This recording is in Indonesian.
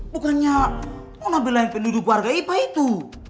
bukannya nona belain penduduk warga ipa itu